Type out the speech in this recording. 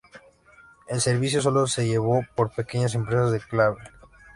El servicio sólo se llevó por pequeñas empresas de cable.